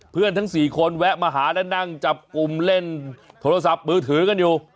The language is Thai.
ทั้ง๔คนแวะมาหาและนั่งจับกลุ่มเล่นโทรศัพท์มือถือกันอยู่